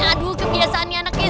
aduh kebiasaan nih anaknya